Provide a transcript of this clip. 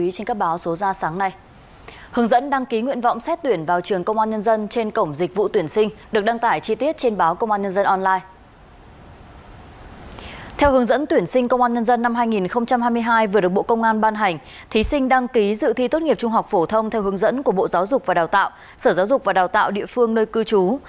theo hướng dẫn tuyển sinh công an nhân dân năm hai nghìn hai mươi hai vừa được bộ công an ban hành thí sinh đăng ký dự thi tốt nghiệp trung học phổ thông theo hướng dẫn của bộ giáo dục và đào tạo sở giáo dục và đào tạo địa phương nơi cư trú